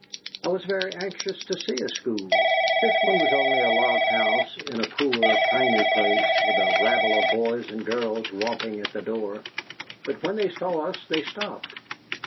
I was very anxious to see a school. This one was only a log house in a poor, piny place, with a rabble of boys and girls romping at the door. But when they saw us they stopped.